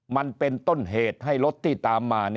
มันเป็นต้นเหตุให้รถที่ตามมา